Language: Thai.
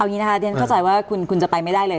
เอางี้นะคะเดี๋ยวฉันเข้าใจว่าคุณจะไปไม่ได้เลย